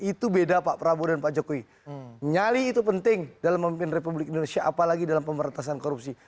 itu beda pak prabowo dan pak jokowi nyali itu penting dalam memimpin republik indonesia apalagi dalam pemberantasan korupsi